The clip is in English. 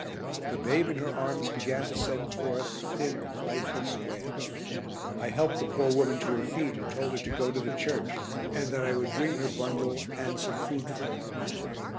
The babe in her arms began to send forth a thin lifeless wail. I helped the poor woman to her feet and told her to go to the church, and that I would bring her bundle and some food for her.